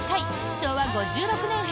昭和５６年編。